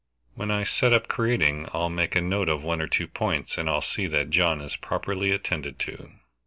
When I set up creating I'll make a note of one or two points, and I'll see that John is properly attended to."